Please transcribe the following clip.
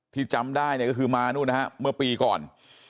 ที่จำได้ก็คือมานู่นนะฮะเมื่อปีก่อน